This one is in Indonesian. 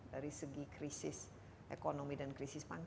dari segi krisis ekonomi dan krisis pangan